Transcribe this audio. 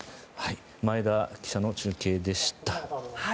前田記者の中継でした。